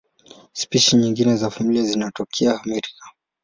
Spishi nyingine za familia hii zinatokea Amerika.